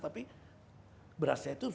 tapi berasnya itu sudah berubah